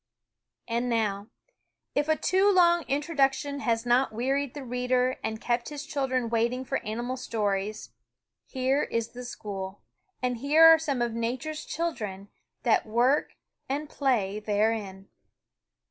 And now, if a too long introduction has not wearied the reader and kept his children waiting for animal stories, here is the school, and here are some of Nature's children that work and play therein.